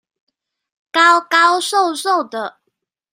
高高瘦瘦的